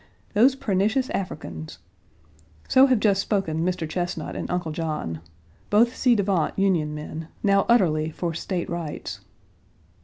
Those pernicious Africans! So have just spoken Mr. Chesnut and Uncle John, both ci devant Union men, now utterly for State rights.